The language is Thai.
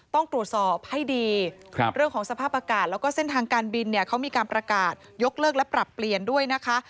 ต้องตรวจสอบให้ดีเรื่องของสภาพอากาศแล้วก็เส้นทางการบินเนี่ยเขามีการประกาศยกเลิกและปรับเปลี่ยนด้วยนะคะ